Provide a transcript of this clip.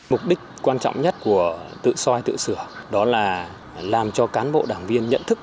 mục đích quan trọng nhất của tự soi tự sửa đó là làm cho cán bộ đảng viên nhận thức